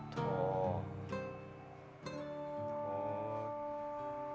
ท่อง